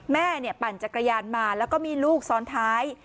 ปั่นจักรยานมาแล้วก็มีลูกซ้อนท้าย